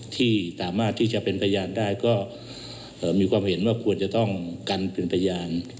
ที่สามารถที่จะเป็นพยานได้ก็มีความเห็นว่าควรจะต้องกันเป็นพยาน